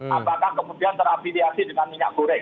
apakah kemudian terafiliasi dengan minyak goreng